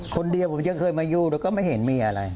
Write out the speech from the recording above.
คนเดียวผมยังเคยมายูแล้วก็ไม่เห็นมีอะไร